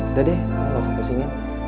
udah deh gak usah pusingin